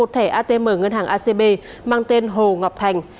một thẻ atm ngân hàng acb mang tên hồ ngọc thành